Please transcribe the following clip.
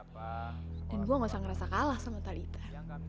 dan gue nggak usah ngerasa kalah sama talita